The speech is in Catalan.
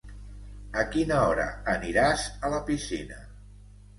A quina hora aniràs a la piscina?